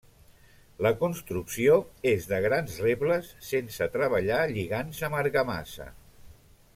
La construcció és de grans rebles sense treballar lligants amb argamassa.